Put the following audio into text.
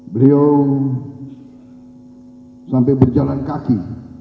beliau sampai berjalan kaki